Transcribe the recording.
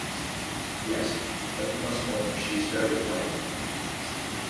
Yes; but you must own she is very plain.